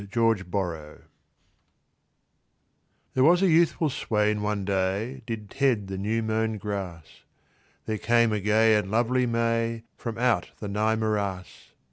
THE ELF BRIDE There was a youthful swain one day Did ted the new mown grass; There came a gay and lovely may From out the nigh morass.